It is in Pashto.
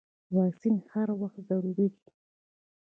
واکسین هر وخت ضروري دی.